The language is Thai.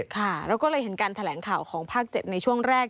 ค่ะเราก็เลยเห็นการแถลงข่าวของภาค๗ในช่วงแรก